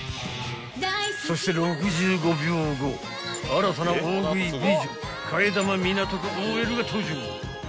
［そして６５秒後新たな大食い美女替玉港区ＯＬが登場］